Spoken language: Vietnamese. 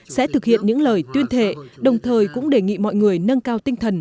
sẽ thực hiện những lời tuyên thệ đồng thời cũng đề nghị mọi người nâng cao tinh thần